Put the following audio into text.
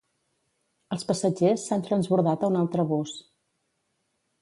Els passatgers s'han transbordat a un altre bus.